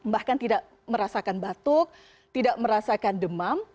bahkan tidak merasakan batuk tidak merasakan demam